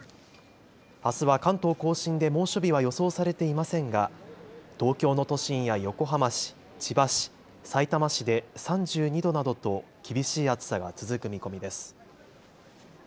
あすは関東甲信で猛暑日は予想されていませんが東京の都心や横浜市、千葉市、さいたま市で３２度などと厳しい暑さが続く見込みです。